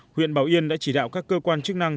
huyện bảo yên đã chỉ đạo các cơ quan chức năng